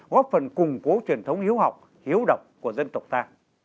góp phần củng cố truyền thống hiếu học hiếu đọc của dân tộc ta